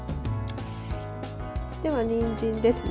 では、にんじんです。